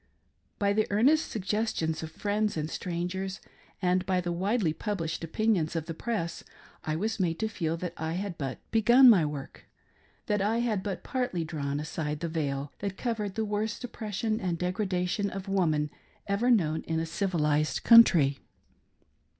By the earnest suggestions of friends and strangers, and by the widely published opinions of the press, I was made to feel that I had but begun my work — that I had but partly drawn aside the veil that covered the worst oppression and degrada tion of woman ever known in a civilised country.